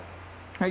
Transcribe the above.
はい。